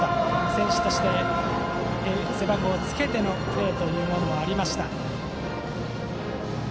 選手として、背番号をつけてのプレーもありました。